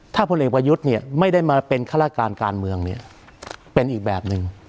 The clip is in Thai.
ถ้าพลเอกประยุทธ์เนี่ยไม่ได้มาเป็นฆาตการการเมืองเนี่ยเป็นอีกแบบหนึ่ง